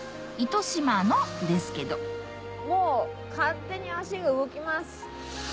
糸島のですけどもう勝手に足が動きます。